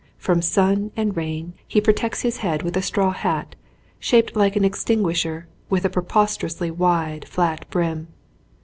From sun and rain he protects his head with a straw hat shaped like an extinguisher with a preposterously wide, flat brim.